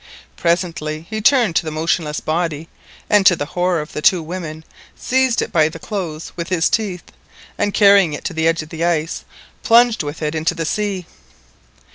Presently he returned to the motionless body, and, to the horror of the two women, seized it by the clothes with his teeth, and carrying it to the edge of the ice, plunged with it into the sea.